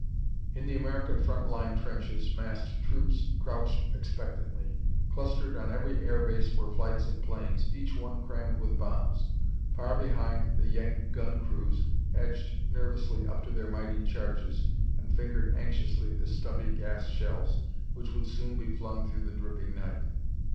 In the American front line trenches, massed troops crouched expectantly. Clustered on every air base were flights of planes, each one crammed with bombs. Far behind, the Yank gun crews edged nervously up to their mighty charges, and fingered anxiously the stubby gas shells which soon would be flung through the dripping night.